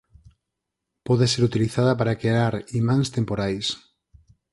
Pode ser utilizada para crear imáns temporais.